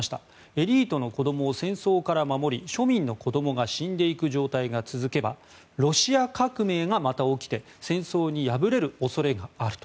エリートの子どもを戦争から守り庶民の子どもが死んでいく状態が続けばロシア革命がまた起きて戦争に敗れる恐れがあると。